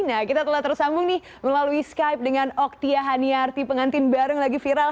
nah kita telah terus sambung nih melalui skype dengan okti yahaniarti pengantin bareng lagi viral